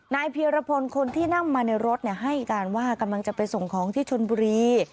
เพียรพลคนที่นั่งมาในรถให้การว่ากำลังจะไปส่งของที่ชนบุรี